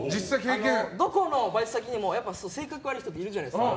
どこのバイト先にも性格悪い人いるじゃないですか。